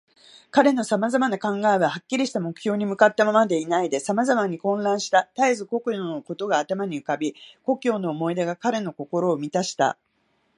彼のさまざまな考えは、はっきりした目標に向ったままでいないで、さまざまに混乱した。たえず故郷のことが頭に浮かび、故郷の思い出が彼の心をみたした。